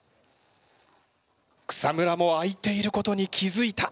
草村も開いていることに気付いた。